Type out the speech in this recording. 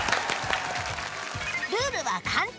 ルールは簡単！